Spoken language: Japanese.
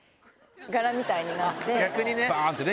柄みたいになって。